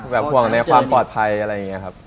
ห่วงในความปลอดภัยอะไรอย่างนี้ครับ